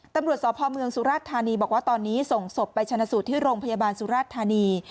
ตำรวจสพเมืองสุราชธานีบอกว่าตอนนี้ส่งศพไปชนะสูตรที่โรงพยาบาลสุราชธานี